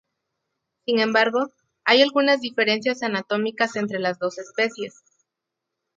Sin embargo, hay algunas diferencias anatómicas entre las dos especies.